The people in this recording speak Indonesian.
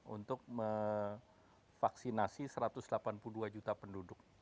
untuk vaksinasi satu ratus delapan puluh dua juta penduduk